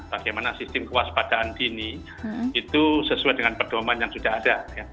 bagaimana sistem kewaspadaan dini itu sesuai dengan perdoman yang sudah ada